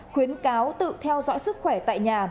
khuyến cáo tự theo dõi sức khỏe tại nhà